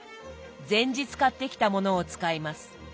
前日買ってきたものを使います。